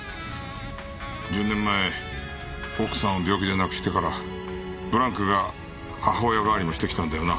１０年前奥さんを病気で亡くしてからブランクが母親代わりもしてきたんだよな？